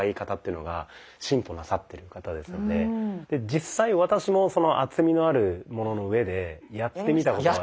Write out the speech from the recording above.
実際私もその厚みのあるものの上でやってみたことが。